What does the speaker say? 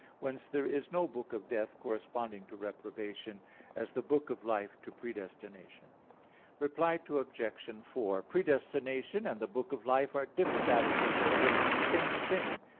Whence there is no book of death corresponding to reprobation; as the book of life to predestination. Reply Obj. 4: Predestination and the book of life are different aspects of the same thing.